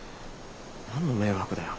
何の迷惑だよ。